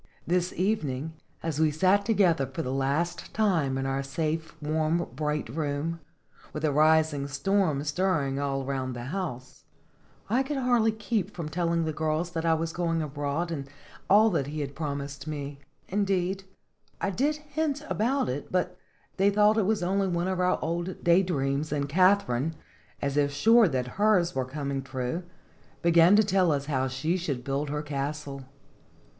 This evening, as we sat together for the last time in our safe, warm, bright room, with a rising storm stirring all round the house, I Bingeb Jttotljs. 63 could hardly keep from telling the girls that I was going abroad, and all he had promised me. Indeed, I did hint about it, but they thought it only one of our old day dreams, and Katharine, as if sure that hers was coming true, began to tell us how she should build her castle.